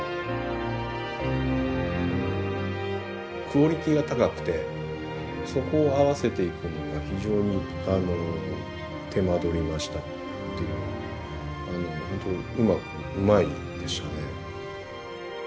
クオリティーが高くてそこを合わせていくのが非常に手間取りましたっていうのはあのほんとうまくうまいでしたね。